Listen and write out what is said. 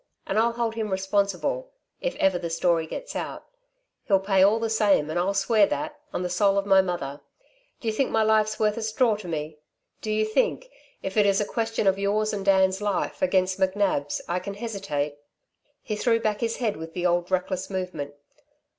And I'll hold him responsible ... if ever the story gets out. He'll pay all the same and I'll swear that on the soul of my mother. Do you think my life's worth a straw to me? Do you think if it is a question of yours and Dan's life against McNab's, I can hesitate?" He threw back his head with the old reckless movement.